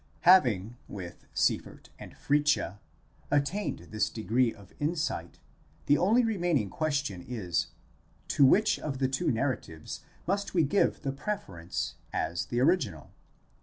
Having, with Sieffert and Fritzsche, attained this degree of insight, the only remaining question is: to which of the two narratives must we give the pre ference as the original?